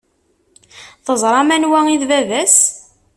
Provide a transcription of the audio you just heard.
Teẓram anwa i d baba-s?